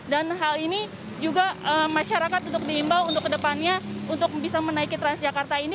dan hal ini juga masyarakat untuk diimbau untuk ke depannya untuk bisa menaiki transjakarta ini